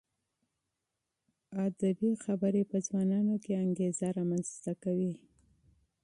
ادبي موضوعات په ځوانانو کې انګېزه رامنځته کوي.